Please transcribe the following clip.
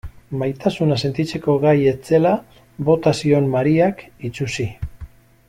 Maitasuna sentitzeko gai ez zela bota zion Mariak itsusi.